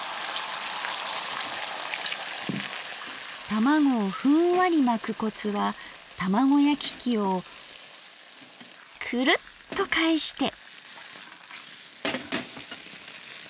卵をふんわり巻くコツは卵焼き器をくるっと返して。